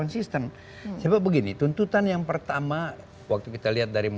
saya harus selesai